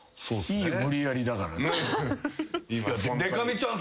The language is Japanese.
いいよ無理やりだから。